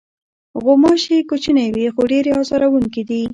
غوماشې کوچنۍ وي، خو ډېرې آزاروونکې دي.